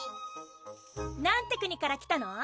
何て国から来たの？